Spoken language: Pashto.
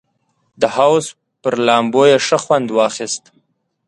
د حوض پر لامبو یې ښه خوند واخیست.